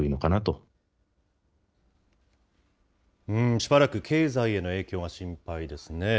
しばらく経済への影響が心配ですね。